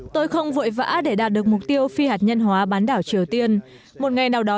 tôi không vội vã để đạt được mục tiêu phi hạt nhân hóa bán đảo triều tiên một ngày nào đó